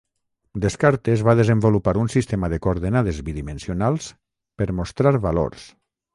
Descartes va desenvolupar un sistema de coordenades bidimensionals per mostrar valors.